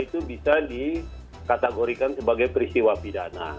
itu bisa dikategorikan sebagai peristiwa pidana